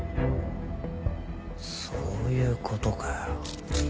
そういう事かよ。